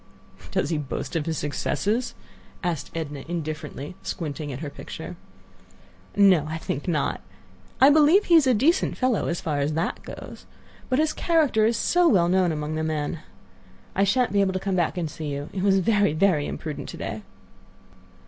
"Does he boast of his successes?" asked Edna, indifferently, squinting at her picture. "No, I think not. I believe he is a decent fellow as far as that goes. But his character is so well known among the men. I shan't be able to come back and see you; it was very, very imprudent to day."